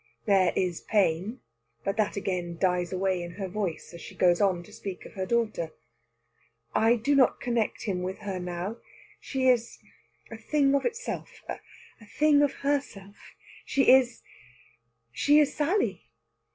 There is pain, but that again dies away in her voice as she goes on to speak of her daughter. "I do not connect him with her now. She is a thing of itself a thing of herself! She is she is Sally.